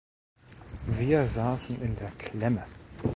Wir saßen in der Klemme!